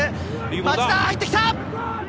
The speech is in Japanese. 町田が入ってきた！